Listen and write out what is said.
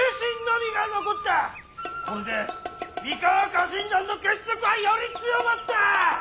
これで三河家臣団の結束はより強まった！